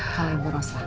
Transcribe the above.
kalau ibu rosa